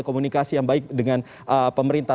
komunikasi yang baik dengan pemerintah